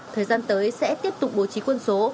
thời gian tới sẽ tiếp tục bố trí quân số